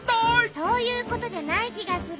そういうことじゃないきがする。